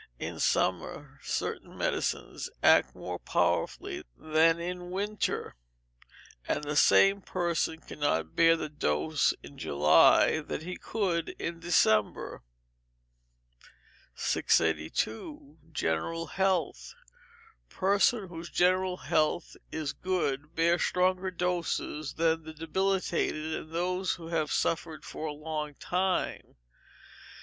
In summer, certain medicines act more powerfully than in winter, and the same person cannot bear the dose in July that he could in December. 682. General Health. Persons whose general health is good bear stronger doses than the debilitated and those who have suffered for a long time.